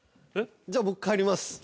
えっ？じゃあ僕帰ります。